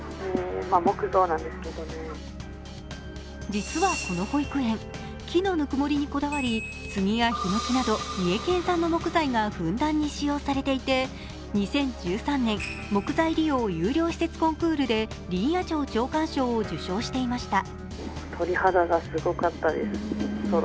実はこの保育園、木のぬくもりにこだわり杉やひのきなど三重県産の木材がふんだんに使用されていて２０１３年、木材利用有料施設コンクールで林野庁長官賞を受賞していました。